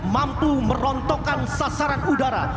mampu merontokkan sasaran udara